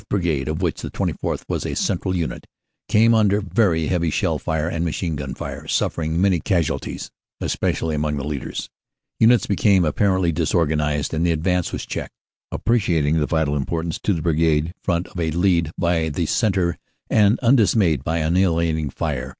Brigade, of which the 24th. was a central unit, came under very heavy shell and machine gun fire, suffering many casual ties, especially among the leaders. Units became partially dis organized and the advance was checked. Appreciating the vital importance to the Brigade front of a lead by the centre and undismayed by annihilating fire, Lt.